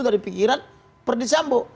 dari pikiran verdi sambo